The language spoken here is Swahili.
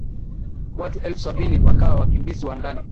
watu elfu sabini wakawa wakimbizi wa ndani